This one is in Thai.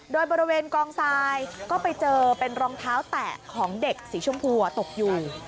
โดยบริเวณกองทรายก็ไปเจอเป็นรองเท้าแตะของเด็กสีชมพูตกอยู่